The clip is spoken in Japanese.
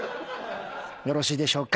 よろしいでしょうか。